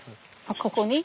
あっここに？